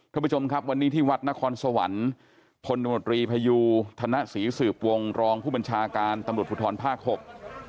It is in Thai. ท่านผู้ชมครับวันนี้ที่วัดนครสวรรค์พลตำรวจรีพยูธนศรีสืบวงรองผู้บัญชาการตำรวจภูทรภาคหก